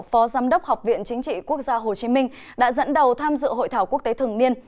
phó giám đốc học viện chính trị quốc gia hồ chí minh đã dẫn đầu tham dự hội thảo quốc tế thường niên